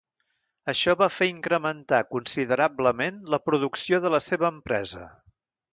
Això va fer incrementar considerablement la producció de la seva empresa.